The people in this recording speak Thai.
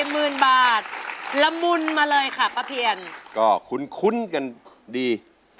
หมื่นบาทละมุนมาเลยค่ะป้าเพียนก็คุ้นกันดี